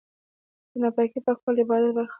د ناپاکۍ پاکوالی د عبادت برخه ده.